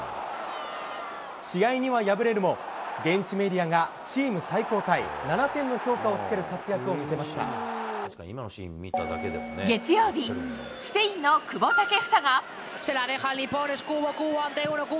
試合には敗れるも、現地メディアがチーム最高タイ、７点の評価を月曜日、スペインの久保建英が。